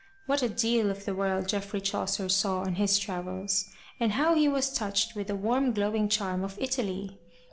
What a deal of the world Geoffrey Chaucer saw on his travels, and how he was touched with the warm glowing charm of Italy!